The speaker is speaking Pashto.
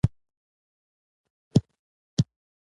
چې سبا به دما په شمول دې